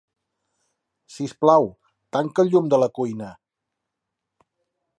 Sisplau, tanca el llum de la cuina.